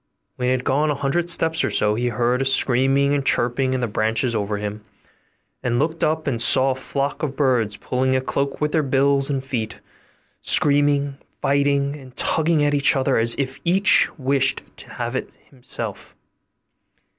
When he had gone a hundred steps or so, he heard a screaming and chirping in the branches over him, and looked up and saw a flock of birds pulling a cloak with their bills and feet; screaming, fighting, and tugging at each other as if each wished to have it himself.